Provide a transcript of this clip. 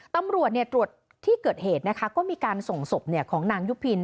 ตำรวจตรวจที่เกิดเหตุนะคะก็มีการส่งศพของนางยุพิน